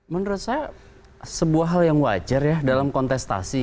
menurut saya sebuah hal yang wajar ya dalam kontestasi